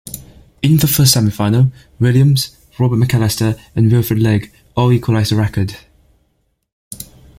In the first semifinal, Williams, Robert McAllister, and Wilfred Legg all equalized the record.